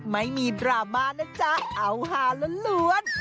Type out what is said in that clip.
ไม่มีดราม่านะจ๊ะเอาหาล้วน